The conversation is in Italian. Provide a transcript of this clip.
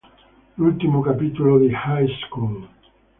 L'ultimo capitolo di "High School!